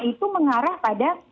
itu mengarah pada